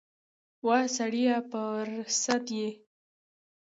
وا سړیه پر سد یې ؟